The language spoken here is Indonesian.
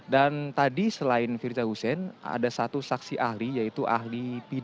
dan tadi selain firza husein ada satu saksi ahli yaitu ahli pidana hukum pidana